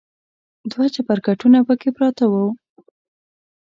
دوه چپرکټونه پکې پراته و.